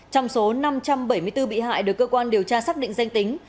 trong số năm trăm bảy mươi bốn bị hại được cơ quan điều tra xác định danh tính